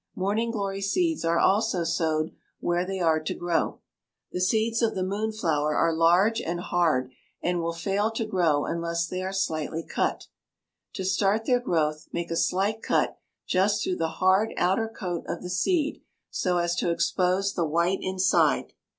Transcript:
Morning glory seeds are also sowed where they are to grow. The seeds of the moonflower are large and hard and will fail to grow unless they are slightly cut. To start their growth make a slight cut just through the hard outer coat of the seed so as to expose the white inside.